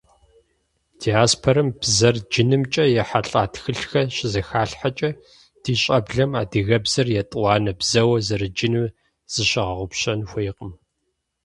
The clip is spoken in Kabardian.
Диаспорэм бзэр джынымкӀэ ехьэлӀа тхылъхэр щызэхалъхьэкӀэ, ди щӀэблэм адыгэбзэр етӀуанэ бзэуэ зэраджынур зыщыгъэгъупщэн хуейкъым.